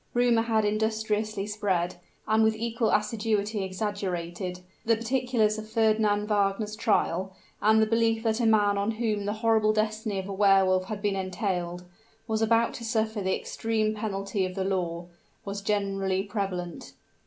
Rumor had industriously spread, and with equal assiduity exaggerated, the particulars of Fernand Wagner's trial, and the belief that a man on whom the horrible destiny of a Wehr Wolf had been entailed, was about to suffer the extreme penalty of the law, was generally prevalent.